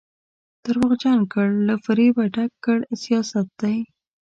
درواغجن ګړ او له فرېبه ډک کړ سیاست دی.